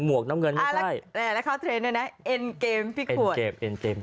หมวกน้ำเงินไม่ใช่แล้วเขาเทรนด์ด้วยนะเอ็นเกมพี่ขวด